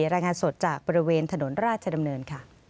รายงานสดจากบริเวณถนนราชดำเนินค่ะ